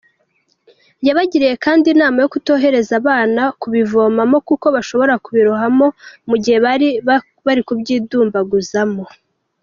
Yabagiriye kandi inama yo kutohereza abana kubivomamo kuko bashobora kubirohamamo mu gihe bari kubyidumbaguzamo.